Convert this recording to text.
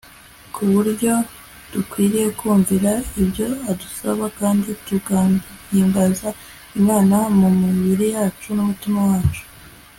ku buryo dukwiriye kumvira ibyo adusaba, kandi tugahimbaza imana mu mibiri yacu n'umutima wacu